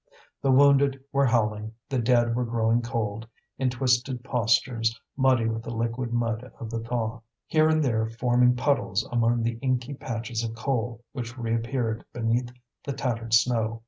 The wounded were howling, the dead were growing cold, in twisted postures, muddy with the liquid mud of the thaw, here and there forming puddles among the inky patches of coal which reappeared beneath the tattered snow.